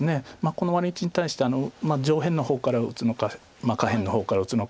このワリ打ちに対して上辺の方から打つのか下辺の方から打つのか。